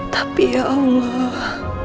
tapi ya allah